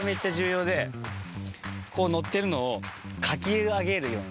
こう乗ってるのをかき上げるような。